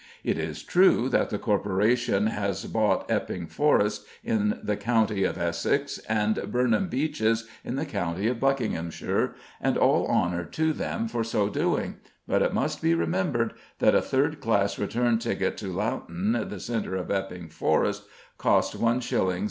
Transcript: It is true that the Corporation has bought Epping Forest, in the county of Essex, and Burnham Beeches, in the county of Buckinghamshire, and all honour to them for so doing; but it must be remembered that a third class return ticket to Loughton, the centre of Epping Forest, costs 1s.